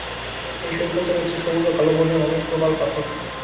এই সৈকতে রয়েছে সবুজ ও কালো বর্ণের অনেক প্রবাল পাথর।